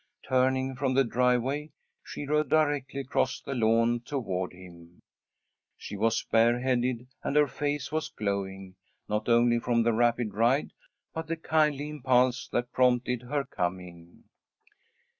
Turning from the driveway she rode directly across the lawn toward him. She was bareheaded, and her face was glowing, not only from the rapid ride, but the kindly impulse that prompted her coming.